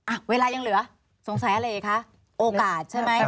อ่ะเวลายังเหลือสงสัยอะไรอีกคะโอกาสใช่ไหม